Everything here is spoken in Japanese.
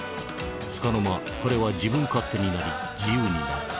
つかの間彼は自分勝手になり自由になる。